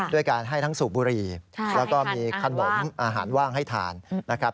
ด้วยการให้ทั้งสูบบุรีแล้วก็มีขนมอาหารว่างให้ทานนะครับ